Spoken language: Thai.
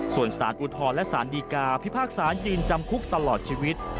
ส่วนสารอุทธรณ์และสารดีกาพิพากษายืนจำคุกตลอดชีวิต